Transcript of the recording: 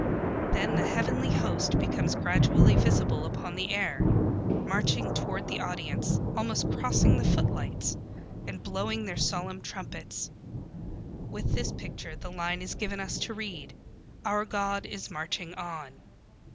Then the heavenly host becomes gradually visible upon the air, marching toward the audience, almost crossing the footlights, and blowing their solemn trumpets. With this picture the line is given us to read: "Our God is marching on."